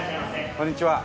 こんにちは。